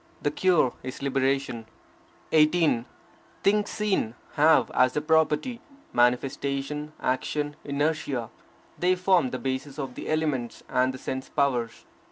The cure is liberation. 18. Things seen have as their property manifestation, action, inertia. They form the basis of the elements and the sense powers.